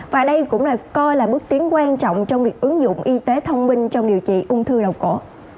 và đây cũng là bước tiến quan trọng trong việc ứng dụng y tế thông minh trong điều trị ung thư đầu cổ